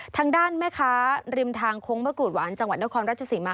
ทางด้านแม่ค้าริมทางโค้งมะกรูดหวานจังหวัดนครราชสีมา